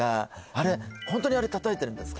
あれホントに叩いてるんですか？